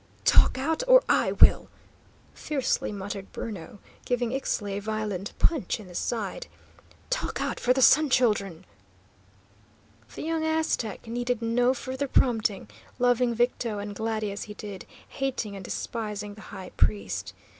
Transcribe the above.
"Talk out, or I will!" fiercely muttered Bruno, giving Ixtli a violent punch in the side, "talk out for the Sun Children!" The young Aztec needed no further prompting, loving Victo and Glady as he did, hating and despising the high priest.